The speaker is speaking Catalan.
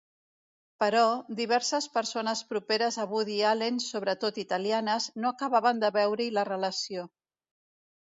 Però, diverses persones properes a Woody Allen, sobretot italianes, no acabaven de veure-hi la relació.